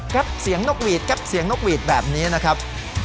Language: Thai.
แก๊บเสียงนกหวีดแบบนี้นะครับ